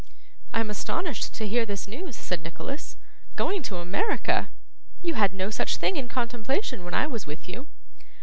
'I am astonished to hear this news,' said Nicholas. 'Going to America! You had no such thing in contemplation when I was with you.